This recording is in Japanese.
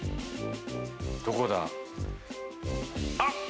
どこだ？